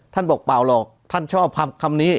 บอกเปล่าหรอกท่านชอบคำนี้